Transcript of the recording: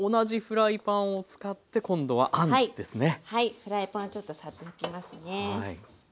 フライパンちょっとサッと拭きますね。